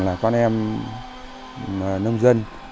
là toàn là con em nông dân